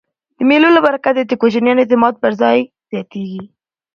د مېلو له برکته د کوچنیانو اعتماد پر ځان زیاتېږي.